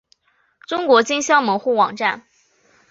中国金乡门户网站